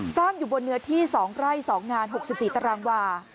สร้างอยู่บนเนื้อที่๒ไร่๒งาน๖๔ตารางวา